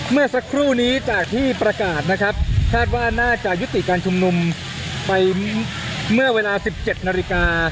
เมื่อสักครู่นี้จากที่ประกาศนะครับคาดว่าน่าจะยุติการชุมนุมไปเมื่อเวลา๑๗นาฬิกา